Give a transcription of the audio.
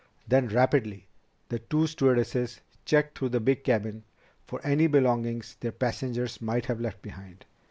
Then, rapidly, the two stewardesses checked through the big cabin for any belongings their passengers might have left behind.